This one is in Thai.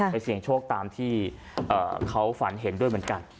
เสี่ยงโชคตามที่เขาฝันเห็นด้วยเหมือนกัน